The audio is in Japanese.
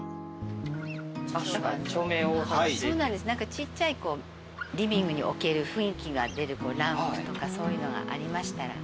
ちっちゃいリビングに置ける雰囲気が出るランプとかそういうのがありましたら。